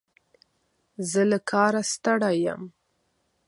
زه له کاره ستړی یم.